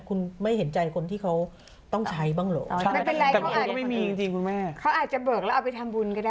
คุณไม่เห็นใจคนที่เขาต้องใช้บ้างหรอกไม่เป็นไรเขาอาจจะเขาอาจจะเบิกแล้วเอาไปทำบุญก็ได้